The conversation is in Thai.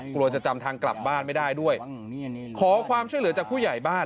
กลัวจะจำทางกลับบ้านไม่ได้ด้วยขอความช่วยเหลือจากผู้ใหญ่บ้าน